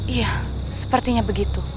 iya sepertinya begitu